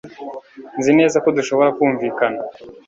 Nzi neza ko dushobora kumvikana.